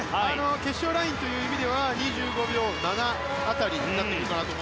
決勝ラインという意味では２５秒７辺りになるかなと。